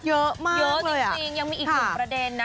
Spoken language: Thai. เยอะมากเลยอะเยอะจริงยังมีอีก๖ประเด็นนะ